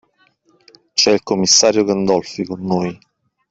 C'è il commissario Gandolfi con noi.